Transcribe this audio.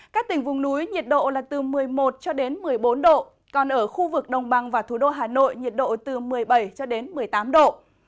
các tỉnh vùng núi nhiệt độ là từ một mươi một cho đến một mươi bốn độ còn ở khu vực đồng bằng và thủ đô hà nội nhiệt độ từ một mươi bảy cho đến một mươi tám độ